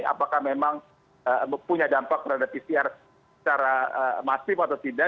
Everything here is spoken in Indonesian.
apakah memang punya dampak terhadap pcr secara masif atau tidak